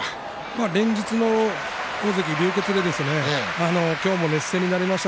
連日、大関流血で今日も熱戦になりました。